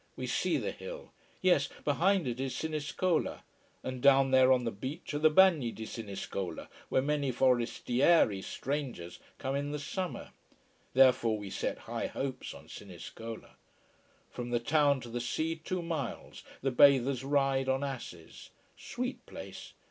We see the hill? Yes. Behind it is Siniscola. And down there on the beach are the Bagni di Siniscola, where many forestieri, strangers, come in the summer. Therefore we set high hopes on Siniscola. From the town to the sea, two miles, the bathers ride on asses. Sweet place.